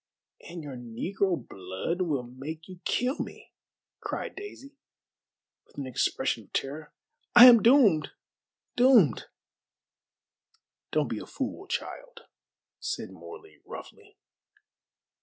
"And your negro blood will make you kill me," cried Daisy, with an expression of terror. "I am doomed doomed!" "Don't be a fool, child," said Morley roughly.